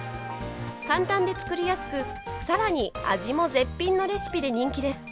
簡単で作りやすくさらに味も絶品のレシピで人気です。